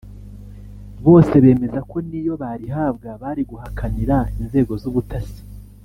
bose bemeza ko niyo barihabwa bari guhakanira inzego z’ubutasi